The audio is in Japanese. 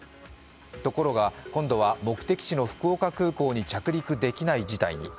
ところが今度は目的地の福岡空港に着陸できない事態に。